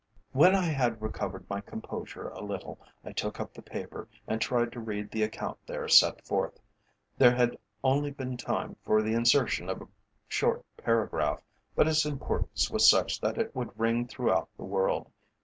When I had recovered my composure a little, I took up the paper, and tried to read the account there set forth. There had only been time for the insertion of a short paragraph, but its importance was such that it would ring throughout the world.